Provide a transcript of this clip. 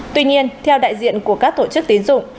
tuy nhiên theo đại diện của các tổ chức tín dụng